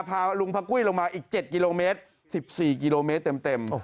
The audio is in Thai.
พาลุงพระกุ้ยลงมาอีก๗กิโลเมตร๑๔กิโลเมตรเต็ม